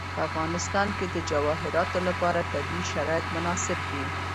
په افغانستان کې د جواهرات لپاره طبیعي شرایط مناسب دي.